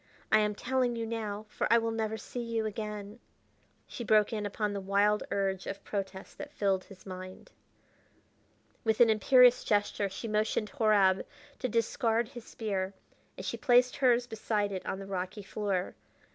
I am telling you now, for I will never see you again." She broke in upon the wild urge of protest that filled his mind. With an imperious gesture she motioned Horab to discard his spear, and she placed hers beside it on the rocky floor.